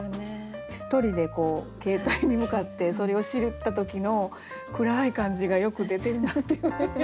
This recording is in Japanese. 一人でこう携帯に向かってそれを知った時の暗い感じがよく出てるなっていうふうに。